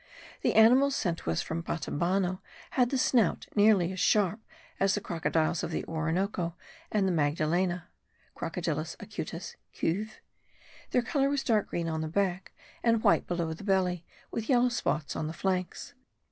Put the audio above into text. The animals sent to us from Batabano had the snout nearly as sharp as the crocodiles of the Orinoco and the Magdalena (Crocodilus acutus, Cuv.); their colour was dark green on the back, and white below the belly, with yellow spots on the flanks.